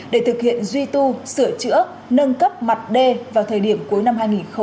để thực hiện duy tu sửa chữa nâng cấp mặt đê vào thời điểm cuối năm hai nghìn hai mươi